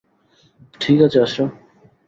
ঠিক আছে, আশরাফ।